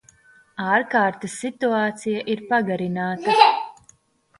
Ārkārtas situācija ir pagarināta.